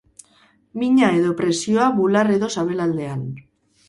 Mina edo presioa bular edo sabelaldean.